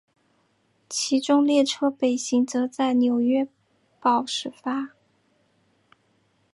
其中列车北行则在纽伦堡始发。